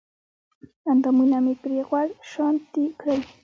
اندامونه مې پرې غوړ شانتې کړل